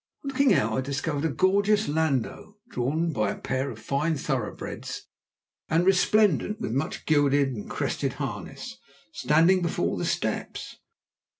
On looking out I discovered a gorgeous landau, drawn by a pair of fine thoroughbreds, and resplendent with much gilded and crested harness, standing before the steps.